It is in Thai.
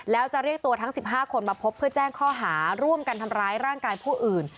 แล้วจะเรียกตัวทั้ง๑๕คนมาพบเพื่อแจ้งข้อหาร่วมกันทำร้ายร่างกายผู้อื่น